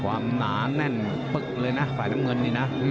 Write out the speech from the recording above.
หนาแน่นปึ๊กเลยนะฝ่ายน้ำเงินนี่นะ